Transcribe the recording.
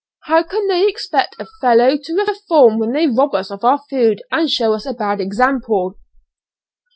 How can they expect a fellow to reform when they rob us of our food and show us a bad example?"